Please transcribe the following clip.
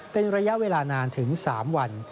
เป็นระยะเวลานานถึง๓วัน